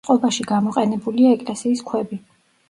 წყობაში გამოყენებულია ეკლესიის ქვები.